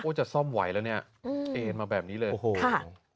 จะซ่อมไหวแล้วเนี่ยเอ็นมาแบบนี้เลยโอ้โห